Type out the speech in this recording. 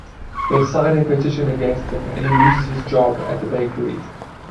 They sign a petition against him and he loses his job at the bakery.